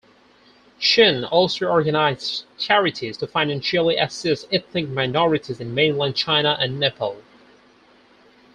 Chen also organized charities to financially assist ethnic minorities in mainland China and Nepal.